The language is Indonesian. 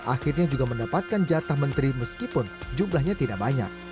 akhirnya juga mendapatkan jatah menteri meskipun jumlahnya tidak banyak